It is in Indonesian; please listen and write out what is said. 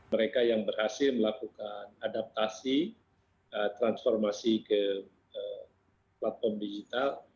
mereka yang berhasil melakukan adaptasi transformasi ke platform digital